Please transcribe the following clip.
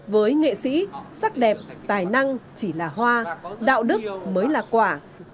với nghệ sĩ sắc đẹp tài năng chỉ là hoa đạo đức mới là quả